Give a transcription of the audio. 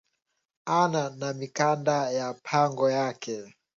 Ana na mikanda ya pango yake